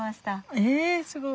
えすごい！